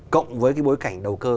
cộng với cái bối cảnh đầu cơ